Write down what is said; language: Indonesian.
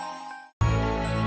kayaknya nama ayam'ta sudah marah